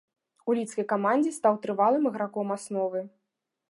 У лідскай камандзе стаў трывалым іграком асновы.